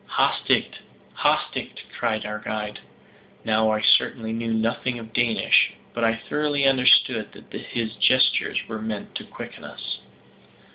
"Hastigt, hastigt!" cried our guide. Now I certainly knew nothing of Danish, but I thoroughly understood that his gestures were meant to quicken us.